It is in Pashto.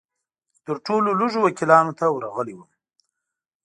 تر ټولو لږو وکیلانو ته ورغلی وم.